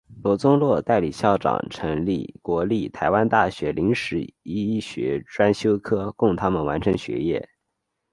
罗宗洛代理校长成立国立台湾大学临时医学专修科供他们完成学业。